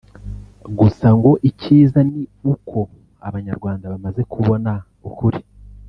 Gusa ngo icyiza ni uko Abanyarwanda bamaze kubona ukuri